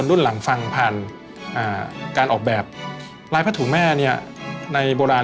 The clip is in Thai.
เจ้าพระเอกาทศรศรษฐ์ชื่อว่าเจ้าพระเอกาทศรศรษฐ์ชื่อว่าเจ้าพ